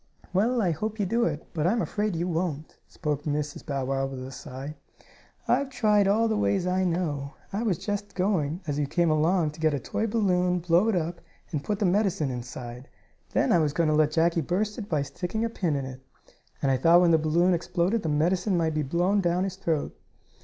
"Well, I hope you do it, but I'm afraid you won't," spoke Mrs. Bow Wow with a sigh. "I've tried all the ways I know. I was just going, as you came along, to get a toy balloon, blow it up, and put the medicine inside. Then I was going to let Jackie burst it by sticking a pin in it. And I thought when the balloon exploded the medicine might be blown down his throat."